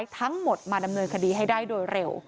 ทั้งหมดมาดำเนินคดีให้ได้โดยเร็ว